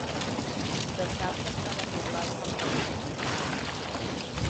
Se sap que estava poblada en el Paleolític.